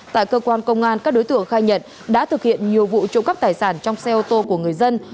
tại cơ quan công an các đối tượng khai nhận đã thực hiện nhiều vụ trộm cắp tài sản trong xe ô tô của người dân